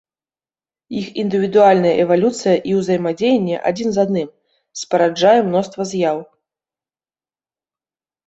Іх індывідуальная эвалюцыя і ўзаемадзеянне адзін з адным спараджае мноства з'яў.